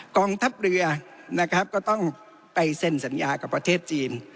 กองทัพเรือนะครับก็ต้องไปเซ็นสัญญากับประเทศจีน